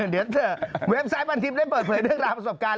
เดี๋ยวเถอะเว็บไซต์พันทิพย์ได้เปิดเผยเรื่องราวประสบการณ์